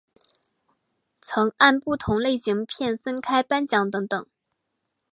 曾按不同类型片分开颁奖等等。